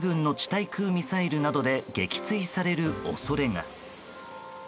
対空ミサイルなどで撃墜される恐れが。